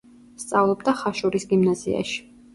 სწავლობდა ხაშურის გიმნაზიაში.